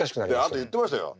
あと言ってましたよ。